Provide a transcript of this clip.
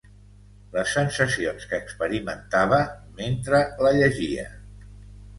Les sensacions que experimentava mentre la llegia